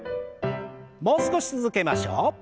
もう少し続けましょう。